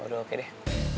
udah oke deh